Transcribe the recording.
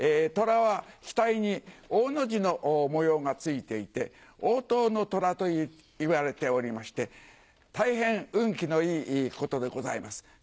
トラは額に王の字の模様がついていて「王頭の虎」といわれておりまして大変運気のいいことでございます。